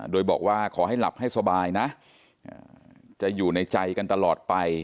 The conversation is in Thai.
โดยบอกว่าขอให้หลับให้สบายนะจะอยู่ในใจกันตลอดไป